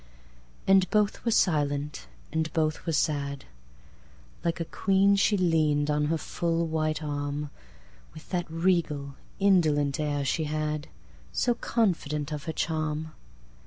And both were silent, and both were sad. Like a queen she lean'd on her full white arm, With that regal, indolent air she had; So confident of her charm!